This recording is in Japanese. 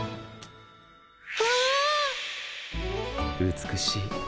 美しい。